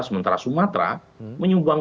sementara sumatera menyumbang